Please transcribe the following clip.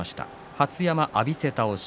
羽出山、浴びせ倒し。